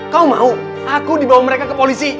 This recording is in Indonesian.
kau mau aku dibawa mereka ke polisi